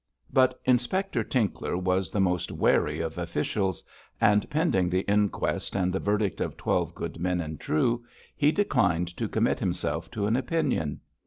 But Inspector Tinkler was the most wary of officials, and pending the inquest and the verdict of twelve good men and true, he declined to commit himself to an opinion.